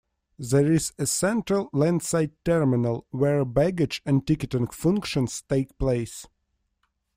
There is a central Landside Terminal where baggage and ticketing functions take place.